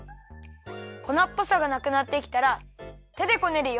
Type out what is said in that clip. こなっぽさがなくなってきたらてでこねるよ。